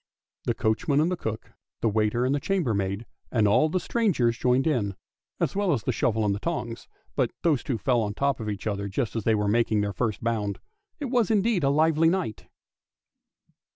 The coachman and the cook, the waiter and the chambermaid, and all the strangers joined in, as well as the shovel and the tongs: but those two fell on the top of each other just as they were making their first bound. It was indeed a lively night